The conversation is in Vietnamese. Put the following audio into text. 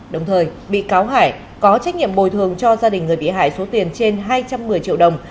đồng thời bị cáo hải có trách nhiệm bồi thường cho gia đình người bị hại số tiền trên hai trăm một mươi triệu đồng